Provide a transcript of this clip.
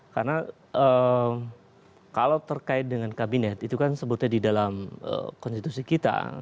karena kalau terkait dengan kabinet itu kan sebutnya di dalam konstitusi kita